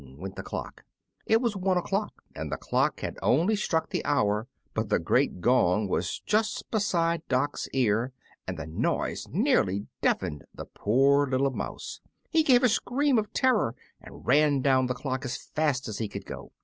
went the clock. It was one o'clock, and the clock had only struck the hour, but the great gong was just beside Dock's ear and the noise nearly deafened the poor little mouse. He gave a scream of terror and ran down the clock as fast as he could go.